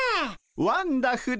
ワンダフル！